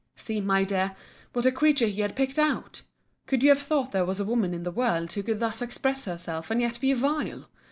See, my dear, what a creature he had picked out! Could you have thought there was a woman in the world who could thus express herself, and yet be vile?